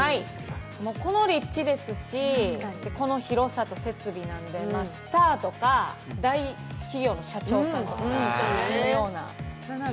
この立地ですしこの広さと設備なんで、スターとか、大企業の社長さんとかが住むような。